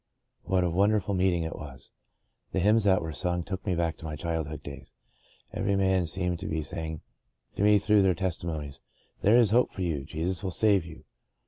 " What a wonderful meeting it was ! The hymns that were sung took me back to my childhood days ; every man seemed to be saying to me through their testimonies, * There is hope for you ; Jesus will save you.'